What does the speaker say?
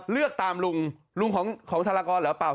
เลือกตามลุงลุงของธารากรหรือเปล่า